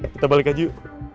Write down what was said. kita balik aja yuk